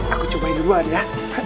aku cobain duluan ya